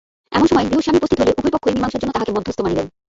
এমন সময় গৃহস্বামী উপস্থিত হইলে উভয় পক্ষই মীমাংসার জন্য তাঁহাকে মধ্যস্থ মানিলেন।